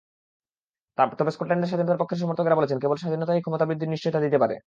তবে স্কটল্যান্ডের স্বাধীনতার পক্ষের সমর্থকেরা বলছেন, কেবল স্বাধীনতাই ক্ষমতাবৃদ্ধির নিশ্চয়তা দিতে পারে।